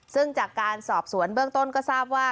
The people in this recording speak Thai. ซึ่งจากการสอบสวนเบื้องต้นก็ทราบว่า